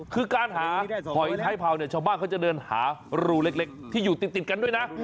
คือการหาหอยท้ายเผาเนี่ยชาวบ้านเขาจะเดินหารูเล็กที่อยู่ติดกันด้วยนะ